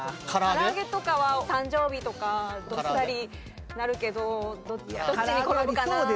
からあげとかは誕生日とかどっさりなるけどどっちに転ぶかな。